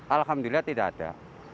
alhamdulillah tidak ada